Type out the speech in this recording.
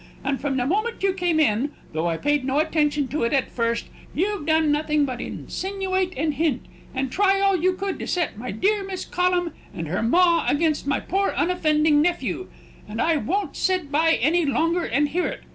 And from the moment you came in, though I paid no attention to it at first, you've done nothing but insinuate and hint, and try all you could to set my dear Miss Collum and her ma against my poor unoffending nephew; and I won't sit by any longer and hear it.